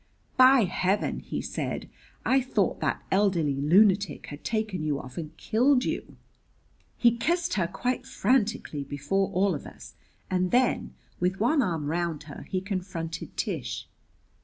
"By Heaven," he said, "I thought that elderly lunatic had taken you off and killed you!" He kissed her quite frantically before all of us; and then, with one arm round her, he confronted Tish.